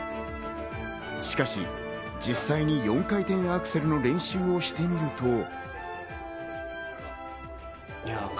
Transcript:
しかし実際に４回転アクセルの練習をしてみると。